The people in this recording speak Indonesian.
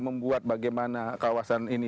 membuat bagaimana kawasan ini